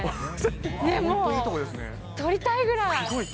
ねえ、もう、撮りたいぐらい。